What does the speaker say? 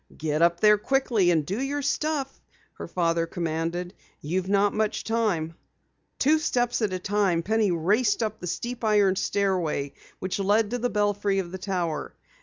"Get up there quickly and do your stuff!" her father commanded. "You've not much time!" Two steps at a time, Penny raced up the steep iron stairway which led to the belfry of the Tower.